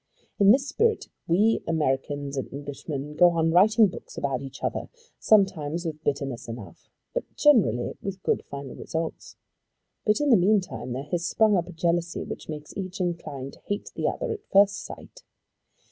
In this spirit we Americans and Englishmen go on writing books about each other, sometimes with bitterness enough, but generally with good final results. But in the meantime there has sprung up a jealousy which makes each inclined to hate the other at first sight.